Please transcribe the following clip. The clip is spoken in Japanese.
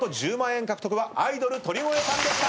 円獲得はアイドル鳥越さんでした！